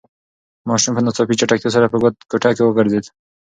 ماشوم په ناڅاپي چټکتیا سره په کوټه کې وگرځېد.